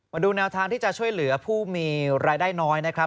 มาดูแนวทางที่จะช่วยเหลือผู้มีรายได้น้อยนะครับ